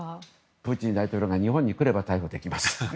プーチン大統領が日本に来れば逮捕できます。